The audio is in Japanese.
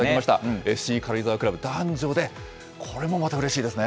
ＳＣ軽井沢クラブ、男女でこれもまたうれしいですね。